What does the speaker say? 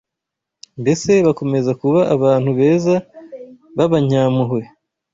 Mbese bakomeza kuba abantu beza b’abanyampuhwe